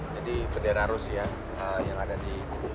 jadi berdera rusia yang ada di